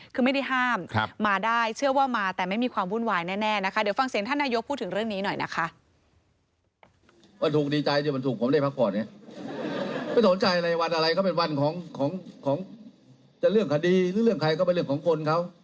คือไม่ได้ห้ามมาได้เชื่อว่ามาแต่ไม่มีความวุ่นวายแน่นะคะ